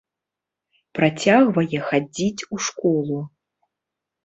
Працягвае хадзіць у школу.